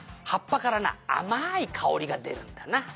「葉っぱからな甘い香りが出るんだな。